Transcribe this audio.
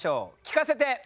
聞かせて！